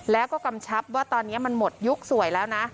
แล้วก็กำชับว่าตอนนี้มันหมดยุคสวยแล้วนะ